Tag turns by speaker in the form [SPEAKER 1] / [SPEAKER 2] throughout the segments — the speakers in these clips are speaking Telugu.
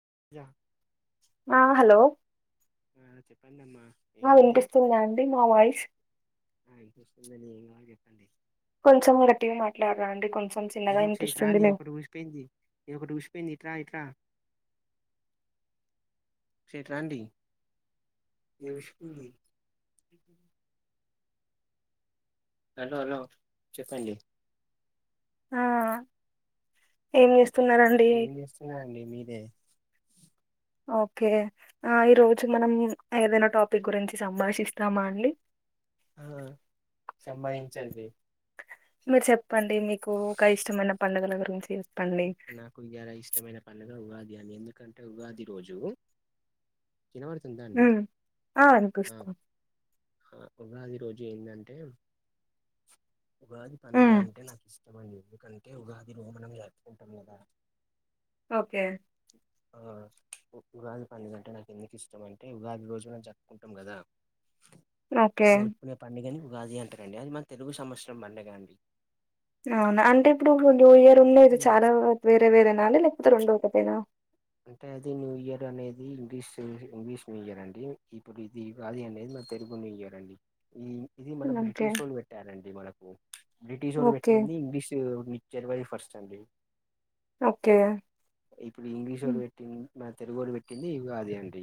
[SPEAKER 1] [unintelligible]
[SPEAKER 2] ఆ హలో
[SPEAKER 1] ఆ చెప్పండి అమ్మా ఏం
[SPEAKER 2] ఆ
[SPEAKER 1] కావాలి
[SPEAKER 2] వినిపిస్తుంద అండి మా వాయిస్
[SPEAKER 1] ఆ చూస్తుందం ఏం కాల చెప్పండి
[SPEAKER 2] కొంచెం గట్టిగా మాట్లాడరాండి కొంచం
[SPEAKER 1] అయ్యో చైత్ర నీది ఒకటి ఊసిపోయింది నీది ఒకటి ఊసిపోయింది ఇట్రా ఇట్రా శేట్లాడి ఈ విష
[SPEAKER 2] [inaudible] హలో హలో చెప్పండి
[SPEAKER 1] ఏం చేస్తున్నరండి
[SPEAKER 2] ఓకే ఆ ఈరోజు మనం ఏదైనా టాపిక్ గురించి సంభాషిస్తామా అండి
[SPEAKER 1] ఆ సంభాషించండి
[SPEAKER 2] మీరు చెప్పండి మీకు ఒక ఇష్టమైన పండుగల గురించి చెప్పండి
[SPEAKER 1] నాకు ఇయల ఇష్టమైన పండుగ ఉగాది అండి ఎందు కంటె ఉగాది రోజు వినబడుతుందా అండి
[SPEAKER 2] ఉమ్ ఆ వినిపిస్త్
[SPEAKER 1] ఆ ఉడాది రోజు ఏందంటే ఉగాది పండుగ
[SPEAKER 2] ఉమ్
[SPEAKER 1] అంటే నాకు ఇష్టమండి ఎందుకంటే ఉగాది లో మనం జరుపుకుంటాం కదా
[SPEAKER 2] ఓకే
[SPEAKER 1] ఆ ఉ-ఉగాది పండుగంటే నాకు ఎందుకు ఇష్టం అంటే ఉగాది రోజు మనం జప్పుకుంటాం కదా
[SPEAKER 2] ఓకే
[SPEAKER 1] జరుపుకునే పండుగని ఉగాది అంటారండి అది మన తెలుగు సంవత్సరం పండుగ అండి
[SPEAKER 2] అవునా అంటే ఇప్పుడు న్యూ ఇయర్ ఉన్నాది చాలా వేరే వేరే నా అండి లేకపో తే రెండు ఒకటేనా
[SPEAKER 1] అంటే అది న్యూ ఇయర్ అనేది ఇంగ్లీష్ ఇంగ్లీష్ న్యూ ఇయర్ అండి ఇప్పుడు ఇది ఉగాది అనేది తెలుగు న్యూ ఇయర్ అండి ఈ ఇది మన
[SPEAKER 2] ఓకే
[SPEAKER 1] బ్రిటిష్ వాళ్ళు పెట్టారండి మనకు బ్రిటిష్ వాళ్ళు
[SPEAKER 2] ఓకే
[SPEAKER 1] పెట్టింది ఇంగ్లీష్ జనవరి ఫస్ట్ అండి
[SPEAKER 2] ఓకే
[SPEAKER 1] తో
[SPEAKER 2] ఉమ్
[SPEAKER 1] పెట్టింది మన తెలుగు వాళ్ళు పెట్టింది ఉగాది అండి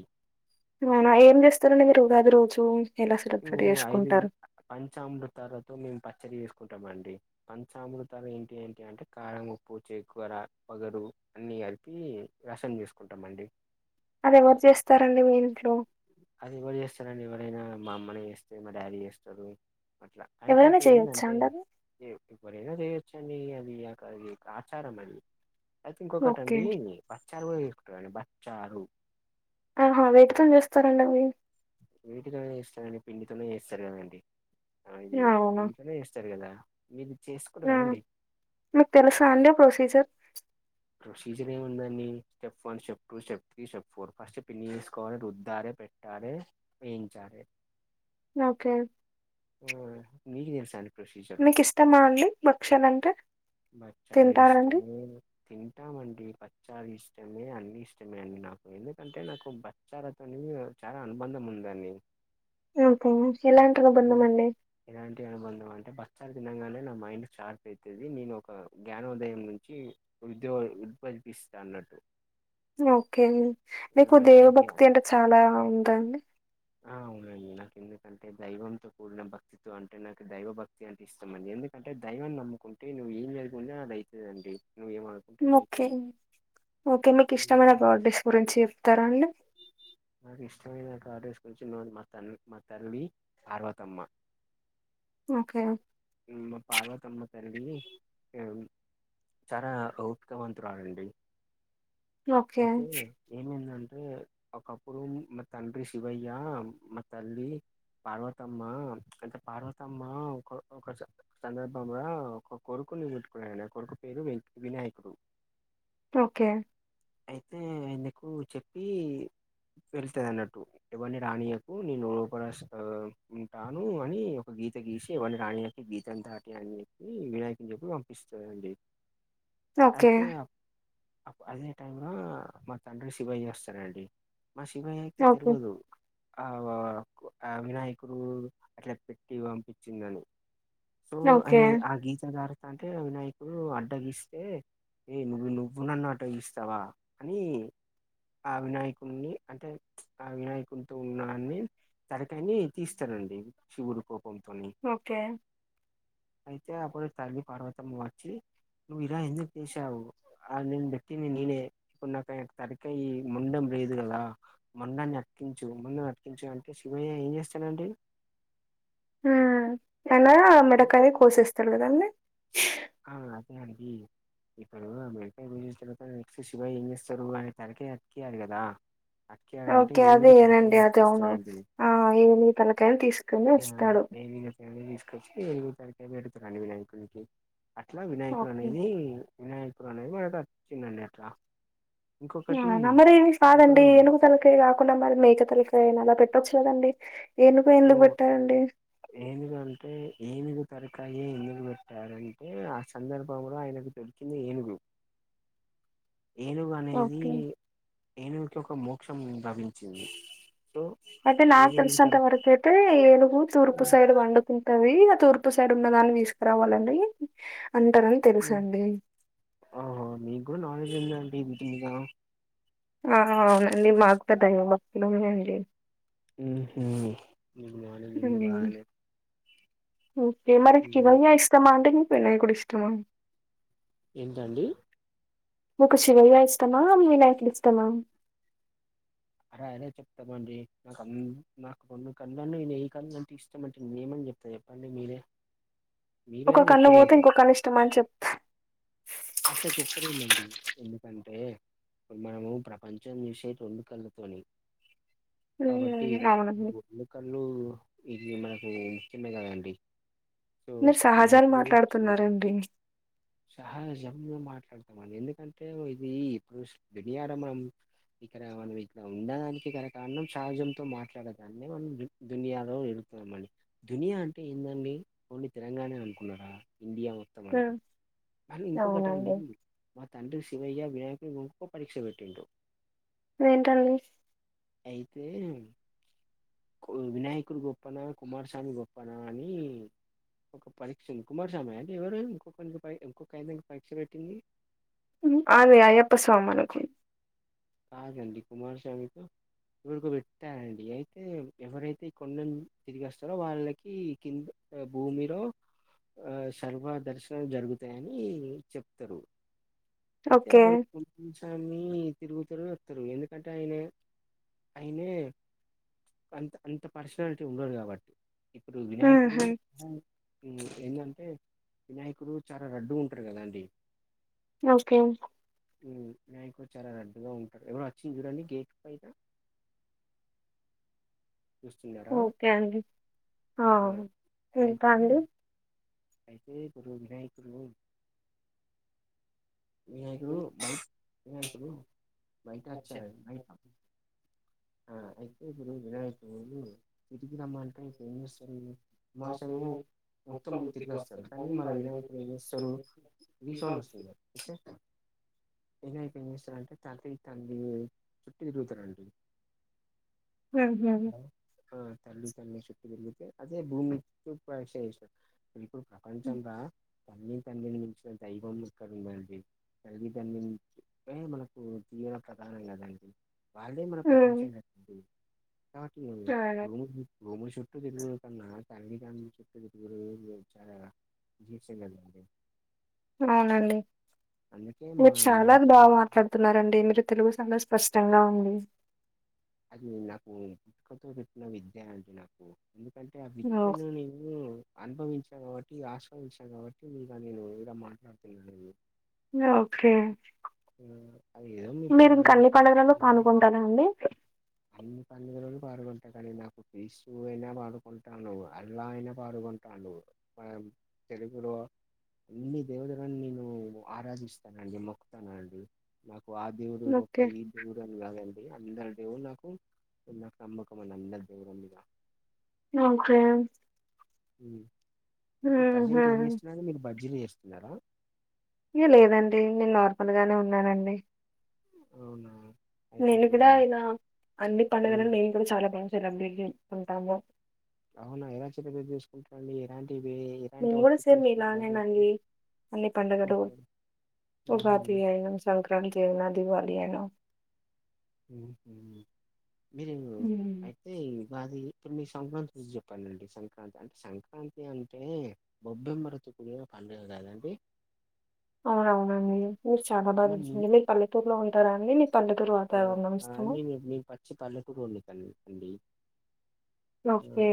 [SPEAKER 2] అవునా ఏం చేస్తారండి మీరుగాది రోజు ఎలా
[SPEAKER 1] మేము
[SPEAKER 2] సెలబ్రేట్
[SPEAKER 1] ఐదు
[SPEAKER 2] చేసుకుంటారు?
[SPEAKER 1] పంచామృతాలతో మేం పచ్చడి చేస్ కుంటామండి పంచామృతాలు ఏంటి ఏంటి అంటే కారం ముప్పు చేకూర ఒగరు అన్ని న్నీ కలిపి రసం చేసుకుంటాం అండి
[SPEAKER 2] అది ఎవరు చేస్తారండి మీ ఇంట్లో
[SPEAKER 1] అది ఎవరు చేస్తారండి ఎవరైనా మా అమ్మనే చేస్తే మా డాడీ చేస్తారు అట్లా అంటే
[SPEAKER 2] ఎవరైనా
[SPEAKER 1] ఇక్కడ
[SPEAKER 2] చేయొచ్చా
[SPEAKER 1] ఏందంటే
[SPEAKER 2] అండి అది?
[SPEAKER 1] ఏ ఎవరైనా చేయొచ్చండి అది ఒక ఆచారం అని అయితే
[SPEAKER 2] ఓకే.
[SPEAKER 1] ఇంకొకటండి చారు కూడా చేసుకుంటారండి బచ్చారు
[SPEAKER 2] ఆహా వేటితోని చేస్తారండి అవి
[SPEAKER 1] వేటితోనే చేస్తారూ అండి పిండితోనే చేస్తారు కదండి ఆ ఈ
[SPEAKER 2] అవునా!
[SPEAKER 1] పిండితోనే చేస్తారు కదా మీది
[SPEAKER 2] ఆ మీకు తెలుసా అండి ప్రొసీజర్
[SPEAKER 1] ప్రొసీజర్ ఏమి ఉందండి step one step two step three step four first పిండి తీసుకోవాలి రుద్దాలి పెట్టాలే వేయించాలే
[SPEAKER 2] ఓకే.
[SPEAKER 1] మ్ నీకు తెలుసా అండి ప్రొసీజర్
[SPEAKER 2] మీకు ఇష్టమా అండి భక్షలు అంటే
[SPEAKER 1] బచ్చాలు
[SPEAKER 2] తింటారండి
[SPEAKER 1] ఇష్టమే తింటామండి బచ్చాలు ఇష్టమే అన్ని ఇష్టమే అండి నాకు ఎందుకంటే నాకు బచ్చారతోనేవి న చాలా అనుబంధం ఉందని
[SPEAKER 2] ఓకే ఎలాంటి అనుబంధం అండి
[SPEAKER 1] భక్షాలు తినంగానే నా మైండ్ షార్ప్ అవుతుంది నేను ఒక జ్ఞానోదయం నుంచి ఉద్యో ఉద్భదిస్తా అన్నట్టు
[SPEAKER 2] ఓకే మీకు దేవభక్తి అంటే చాలా ఉందాండి
[SPEAKER 1] ఆ అవునండి నాకు ఎందుకంటే దైవంతో కూడిన భక్తితో అంటే నాకు దైవ భక్తి అంటే ఇష్టం అండి ఎందుకంటే దైవాన్ని నమ్ముకుంటే నువ్వు ఏం జరుకుంటె అది అయితాతండి
[SPEAKER 2] ఓకే ఓకే మీకు ఇష్టమైన గాడ్డెస్ గురించి చెప్తారా అండి
[SPEAKER 1] నాకు ఇష్టమైన గాడ్డెస్ కూంచునోలు మా తల్లి మా తల్లి పార్వతమ్మ
[SPEAKER 2] ఓకే.
[SPEAKER 1] హుమ్ పార్వాతమ్మ తల్లి చాలా ఔపికవంతురాాలండి
[SPEAKER 2] ఓకే.
[SPEAKER 1] అయితే ఏమైందం ఒకప్పుడుం మా తండ్రి శివయ్య మా తల్లి పార్వతమ్మ అంటే పార్వతమ్మ ఒక ఒక సందర్భలా ఒక కొరుకు కున్ కొట్టుకున్నయ్యండి ఆ కొడుకు పేరు వె వినాయకుడు
[SPEAKER 2] ఓకే
[SPEAKER 1] అయితె ఆయనకు చెప్పి వెళ్తుంది అన్నట్టు ఇవర్ని రాణియకు నేను లోప ఉంటాను అని ఒక గీత గీసి ఎవర్ని రాణియాకు గీతం దాటి అని చెప్పి వినాయకని చెప్పి పంపిస్తదండి
[SPEAKER 2] ఓకే
[SPEAKER 1] అయితే అప్- అప్ అదే టై ల మా తండ్రి శివయ్య చేస్తడండి మా శివయ్యకి
[SPEAKER 2] ఓకే.
[SPEAKER 1] తిలువదు ఆ వినాయకుడు అట్లా పెట్టి పంపించిందని సో
[SPEAKER 2] ఓకే.
[SPEAKER 1] ఆయన ఆ గీత దాటుతాంటే వినాయకుడు అడ్డగిస్తే ఏ నువ్వు నన్ను అడ్డగిస్తావా అని ఆ అ విినయక్ న్ని అంటే ఆ వినాయకుదితో ఉన్నా అన్ని తలకాయ్ని తీస్తాడండి చశివుడు కోప్
[SPEAKER 2] ఓకే
[SPEAKER 1] అయితే అప్పుడు తల్లి పార్వతమ్మ వచ్చి నువ్ ఇల ఎందుకు చేసావ్ అది నిన్ పెట్టింది నినే ఇప్పుడు నాక్ అయిన తలకాయ్ ఇయ్యి మొడం లేదు కదా మొడాన్ని అతికించు మొండాన్ని అతికించు అంటే శివయ్య ఏం చేస్తాడండి
[SPEAKER 2] హ తనా మెడకాయ్ కోసేస్తాడు కాదండి
[SPEAKER 1] ఆ అదే అండి ఇప్పుడు ఆ మేడకాయ్ కోసేసిన తరువాత నెక్స్ట్ శివయ్య ఏం చేస్తారు అయన తలకాయ్ అతికియ్యాలె కదా అతికేయాలంటే
[SPEAKER 2] ఓకే అదే
[SPEAKER 1] ఏనుగు
[SPEAKER 2] ఏనండి
[SPEAKER 1] తలకాయని
[SPEAKER 2] అది అవును
[SPEAKER 1] అతికిస్తారండి
[SPEAKER 2] ఆ ఏనుగు తలకాయ్ ను తీసుకొని వస్తాడు
[SPEAKER 1] [unintelligible] వచ్చ ఏనుగు తలకాయ్ పెడుతడండి వినాయకుడికి అట్లా వినాయకుడు
[SPEAKER 2] ఓకే.
[SPEAKER 1] అనేది వినాయకు [unintelligible] అనిపించ్చిందండి అట్ల
[SPEAKER 2] [unintelligible] కదండీ ఏనుగు తలకాయ్ కాకుండా మరి మేక తలకాయ్ కే అయినా అలా పెట్టొచ్చు కదండి
[SPEAKER 1] నువ్వు ఏనుగుంటే ఏనుగు తర్ కాయ్ ఏ ఎందుకు పెట్టారంటే ఆ సందర్భంలో ఆయనకు దొరికింది ఏనుగు ఏనుగు అనేది
[SPEAKER 2] ఓకే.
[SPEAKER 1] ఏనుగుకి ఒక మోక్షం లభించింది సో
[SPEAKER 2] అయితే నాకు
[SPEAKER 1] ఏనుగు
[SPEAKER 2] తెలిసినంత
[SPEAKER 1] తలకాయ
[SPEAKER 2] వరకు అయితే ఏనుగు తూర్పు సైడు పండుకుంటాది అట్ తూర్పుసైాడ్ ఉన్న దాన్ని తీసుకురావాలండి
[SPEAKER 1] ఆహా మీ కూడా నాలేడ్జ్ ఉందండి వీటి మీద
[SPEAKER 2] ఆ అవునండి మాకు పెద్దగా భక్తులు ఎం లెవ్
[SPEAKER 1] ఉహు [unintelligible]
[SPEAKER 2] హ్మ్.
[SPEAKER 1] బానే
[SPEAKER 2] ఓకే మరి శివయ్య ఇష్టమా అండి మీకు వినాయకుడు ఇష్టమా
[SPEAKER 1] ఏంటండి
[SPEAKER 2] మీకు శివయ్య ఇష్టమా వినాయకుడు ఇష్టమా
[SPEAKER 1] అల ఎలా చెప్తామండి నాకు అన్ నాకు రెండు కళ్ళల్లో ఏ కళ్ళు ఇష్టమంటే నిను ఎం అన్ ఇప్పుడు చెప్పండి మీరే
[SPEAKER 2] ఒక్క
[SPEAKER 1] మీరైనా
[SPEAKER 2] కన్ను పోతే
[SPEAKER 1] చెప్పలేరు
[SPEAKER 2] ఇంకొ కన్ను ఇష్టమని చెప్
[SPEAKER 1] అట్లా చెప్పలేమండి ఎందుకంటే ఇప్పుడు మనము ప్రపంచం చూసేది రెండు కళ్లతోని కాబట్టి
[SPEAKER 2] మ్మ్. అవునండి
[SPEAKER 1] రెండు కల్లు ఇది మనకి ఇష్టమే కదండి సో
[SPEAKER 2] మీరు సహజాలు
[SPEAKER 1] వినాయకుడు సూర్యుడు
[SPEAKER 2] మాట్లాడుతున్నరండి
[SPEAKER 1] సహజంగా మాట్లాడుతామని ఎందుకంటే ఇది దుష్ బిరియారాబనం ఇక్కడ మనం ఇట్లా ఉండడానికి ఇక్కడ కారణం సహజంతో మాట్లాడే దాన్ని మనం దునియాలో ఆ మళ్ళీ ధూనియ అంటే ఏందండి ఓన్లీ తెలంగాణ ఏ అనుకున్నారా ఇండియా మొత్తం అండి
[SPEAKER 2] మ్మ్.
[SPEAKER 1] కానీ ఇంకొకటి అండి
[SPEAKER 2] అవునండి
[SPEAKER 1] మా తండ్రి శివయ్య వినాయకులు గొప్ప పరీక్ష పెట్టిండ్రు
[SPEAKER 2] ఏంటండి
[SPEAKER 1] అయితే వినాయకుడు గొప్పన కుమారస్వామి గొప్పన అని ఒక పరీక్ష కుమారస్వామీ ఆ ఎవరు ఇంకొక [unintelligible] పరీక్ష పెట్టింది
[SPEAKER 2] ఆ అది అయ్యప్ప స్వామీ అనుకు
[SPEAKER 1] కాదండి కుమార స్వామి తో ఎవరికో బేట్టారండి అయితే ఎవరైతే ఈ కొండనీ తిరిగి వస్తారో వాళ్ళకి కింద భూమిలో ఆ సర్వదర్శనాలు జరుగుతాయని చెప్తారు అయితే
[SPEAKER 2] ఓకే
[SPEAKER 1] అప్పుడు [inaudible] స్వామి తిరుగుతరు వత్తరు ఎందుకంటే ఆయన ఆయనే అంత అంత పర్సనాలిటీ ఉండడు కాబట్టి ఇప్పుడు
[SPEAKER 2] మ్మ్హ.
[SPEAKER 1] వినాయకుడు ఉ ఎందంటే వినాయకుడు చాలా లడ్డుగా ఉంటారు కదా అండి
[SPEAKER 2] ఓకే
[SPEAKER 1] ఊ వినాయకుడు చాలా లడ్డుగా ఉంటారు ఎవరో వచ్చింది చుడండి గేట్ పైనా
[SPEAKER 2] [unintelligible] ఓకే అండి ఆ ఇంకా
[SPEAKER 1] అయితే
[SPEAKER 2] అండి
[SPEAKER 1] అయితే ఇప్పుడు వినాయకుడు వినాయకుడు బయ వినాయకుడు బయట వచ్చాడండి బయట ఆ అయితే ఇప్పుడు వినాయకుడు తిరిగి రమ్మంటే ఇప్పుడు ఎం చేస్తాడు మా మొత్తం ముందు వస్తాడు కానీ మన వినాయకుడు ఏం చేస్తారు రీసౌండ్ వస్తుంది [unintelligible] వినాయకుడు ఏమీ చేస్తారంటే తల్లి తండ్రి చుట్టూ తిరుగుతారండి
[SPEAKER 2] ఉహు
[SPEAKER 1] తల్లి తండ్రి చుట్టూ తిరిగితే అదే భూమి ప్రదక్షణ చేసినట్టు ఇప్పుడు ప్రపంచం రా తల్లి తండ్రిని మించిన దైవం ఎక్కడా ఉందండీ తల్లితండ్రిని ప్రేమ మనకు జీవన ప్రధానం కదండి వాళ్ళే మన ప్రపంచం
[SPEAKER 2] మ్మ్.
[SPEAKER 1] కాదండి నాకి
[SPEAKER 2] అవును.
[SPEAKER 1] [unintelligible] భూమి చుట్టూ తిరుగుడు కన్నా తల్లి తండ్రి చుట్టూ తిరుగుడు [unintelligible] [unintelligible] అండి
[SPEAKER 2] అవునండి మీరు
[SPEAKER 1] మా
[SPEAKER 2] చాలా
[SPEAKER 1] వినాయకుడు
[SPEAKER 2] బాగా మాట్లాడుతున్నారండి మీరు తెలుగు చాలా స్పష్టంగా ఉంది
[SPEAKER 1] అది నాకు పుట్టుకతో పెట్టిన విద్య అండి నాకు అందుకు అంటే ఆ
[SPEAKER 2] ఓ-
[SPEAKER 1] విద్యను నువ్వు అనుభవించ కాబట్టి ఈ ఆశ్రమానికి వచ్చాను కాబట్టి ఈడ నేను ఇడ మాట్లాడుతున్నాను
[SPEAKER 2] ఓకే
[SPEAKER 1] ఆ, అది ఏదో మీ
[SPEAKER 2] మీరు ఇంకా అన్ని
[SPEAKER 1] దైవానికి
[SPEAKER 2] పండుగాలలో పాల్గొంటారా అండి
[SPEAKER 1] అన్ని పండుగలలో పాల్గొంటాను కానీ నాకు క్రీస్తు అయినా పాల్గొంటాను అల్లా అయినా పాల్గొ కొంటాండు మనం తెలుగులో అన్ని దేవతలను నేను ఆరాధిస్తానండి మొక్కుతానండి నాకు ఆ దేవుడు గొప్ప
[SPEAKER 2] ఓకే.
[SPEAKER 1] ఈ దేవుడు అని కాదండి అందరి దేవుళ్లు నాకు నాకు నమ్మకం అండి అందరి దేవుళ్ళ మీద
[SPEAKER 2] నాకా
[SPEAKER 1] ఊ ఇప్పుడు ప్రజెంట్ ఏం చేస్తున్నారు మీరు బజ్జీలు చేస్తున్నారా
[SPEAKER 2] లేదండి నేను నార్మల్గానే ఉన్నానండి
[SPEAKER 1] అవునా అయితే
[SPEAKER 2] నేను
[SPEAKER 1] ఇక,
[SPEAKER 2] కూడా ఇలా అన్ని పండుగలను
[SPEAKER 1] ఉమ్,
[SPEAKER 2] మేము కూడా చాలా బాగా సెలెబ్రేట్ చేసుకుంటాము
[SPEAKER 1] అవునా ఎలా సెలెబ్రేట్ చేసుకుంటారండి ఎలాంటి వి ఎలాంటివి
[SPEAKER 2] మేము కూడా
[SPEAKER 1] అవుట్ఫిట్
[SPEAKER 2] సేమ్
[SPEAKER 1] వేసుకుంటారు
[SPEAKER 2] మీలానేనండి. అన్ని పండుగలు
[SPEAKER 1] ఓకే ఉహు,
[SPEAKER 2] ఉగాది అయిన సంక్రాంతి అయినా దివాలి అయినా
[SPEAKER 1] ఉహూ మీరు
[SPEAKER 2] హ్మ్.
[SPEAKER 1] అయితే కాది ఇప్పుడు మీ సంక్రాంతి చూసి చెప్పండండి సంక్రాంతి అంటే సంక్రాంతి అంటే గొ బ్బెమ్మాలతో ఈరోజు పండుగకదండీ
[SPEAKER 2] అవునవునండి ఊరు చాలా
[SPEAKER 1] మరి ను-
[SPEAKER 2] బాగుంది పల్లెటూర్లో ఉంటారు అండి పల్లెటూరు వాతావరణం
[SPEAKER 1] ఆ న
[SPEAKER 2] ఇష్టమా?
[SPEAKER 1] మీరు పచ్చి పల్లెటూరు వాళ్లే కదండీ
[SPEAKER 2] ఓకే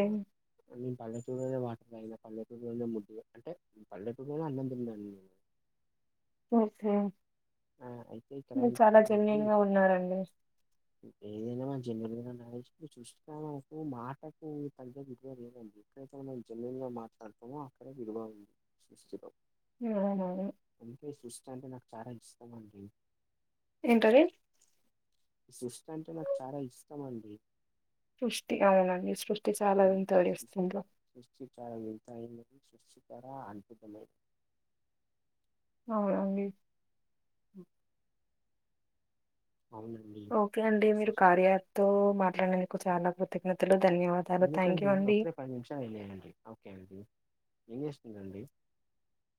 [SPEAKER 1] నేను పల్లెటూరులోనే వాటర్ తాగిన పల్లెటూరులోనే ముద్దలు అంటే పల్లటూర్లోనే అన్నం తిన్నా నేను
[SPEAKER 2] ఓకే
[SPEAKER 1] ఆ అయితే ఇక్కడ
[SPEAKER 2] మీరు చాలా
[SPEAKER 1] ఇంకొకటి అండి
[SPEAKER 2] జెన్యూన్ గా ఉన్నారండి
[SPEAKER 1] జెన్యూన్ గానే ఉన్నా ఎప్పుడు చూసిన నాకు మాటకు తగ్గ విలువ లేదండి ఎప్పుడైతేన జెన్యూన్ మాట్లాడుతాము అక్కడే విలువ ఉంటుంది సృష్టిలో
[SPEAKER 2] అవునవును.
[SPEAKER 1] అందుకే సృష్టి అంటే నాకు చాలా ఇష్టం అండి
[SPEAKER 2] ఏంటది
[SPEAKER 1] సృస్ట్ అంటే నాకు చాలా ఇష్టం అండి
[SPEAKER 2] సృష్టి అవుననండి సృష్టి చాలా
[SPEAKER 1] ఈ
[SPEAKER 2] వింతలు
[SPEAKER 1] సృష్టి
[SPEAKER 2] చేస్తుందో
[SPEAKER 1] [unintelligible]
[SPEAKER 2] అవునండి
[SPEAKER 1] ఉమ్
[SPEAKER 2] ఓకే అండి
[SPEAKER 1] ఈ
[SPEAKER 2] మీరు
[SPEAKER 1] సృష్టి.
[SPEAKER 2] కార్య యాప్ తో మాట్లాడినం దుకు చాలా కృతజ్ఞతలు ధన్యవాదాలు థ్యాంక్
[SPEAKER 1] ఎందుకండి
[SPEAKER 2] యూ అండి.
[SPEAKER 1] అప్పుడే పది నిమిషాలు అయ్యాయండి ఓకే అండి ఏం చేస్తుందండి